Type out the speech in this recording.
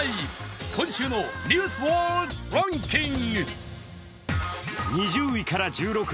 今週の「ニュースワードランキング」。